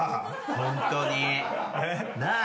ホントに。なあ？